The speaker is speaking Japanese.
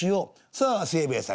さあ清兵衛さん